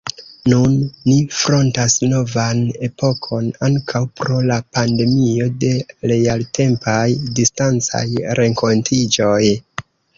Nun ni frontas novan epokon, ankaŭ pro la pandemio, de realtempaj, distancaj renkontiĝoj.